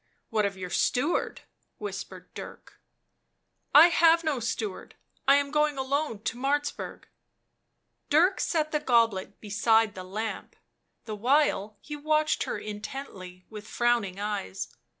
" What of your steward?" whispered Dirk. " I have no steward. I am going alone to Martz burg." Dirk set the goblet beside the lamp the while he watched her intently with frowning eyes.